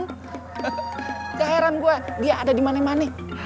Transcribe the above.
nggak heran gue dia ada di mani mani